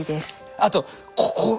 あとここ。